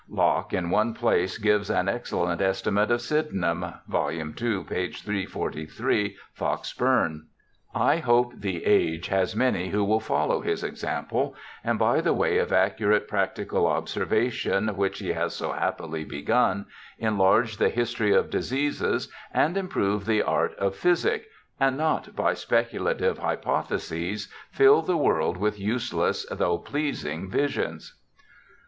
Locke in one place gives an excellent estimate of Sydenham (vol. ii, p. 343, Fox Bourne) :' I hope the age has many who will follow his example, and by the way of accurate practical observation which he has so happily begun, enlarge the history of diseases and improve the art of physic, and not by speculative hypotheses fill the world with useless though pleasing visions.'